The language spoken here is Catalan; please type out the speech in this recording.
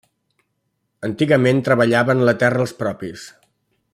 Antigament treballaven la terra els propis.